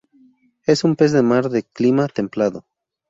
Es un pez de mar de clima templado.